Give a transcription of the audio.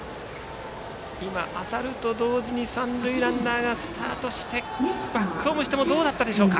当たると同時に三塁ランナーがスタートしてバックホームしてもどうだったでしょうか。